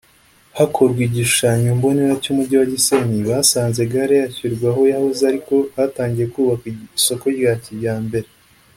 Hakorwa igishushanyo mbonera cy’umujyi wa Gisenyi basanze gare yashyirwa aho yahoze ariko hatangiye kubakwa isoko rya kijyambere